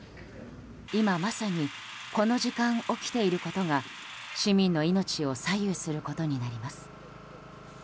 今まさに、この時間起きていることが市民の命を左右することになります。